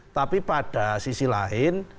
tapi pada sisi lain